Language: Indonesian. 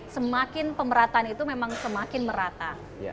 semakin pemerataan itu memang semakin merata